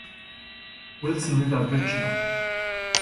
Wilson River Bridge No.